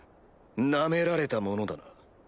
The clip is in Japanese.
ナメられたものだな。